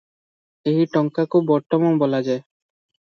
ଏହି ଟଙ୍କାକୁ ବଟମ ବୋଲାଯାଏ ।